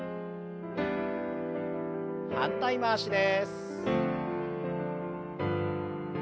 反対回しです。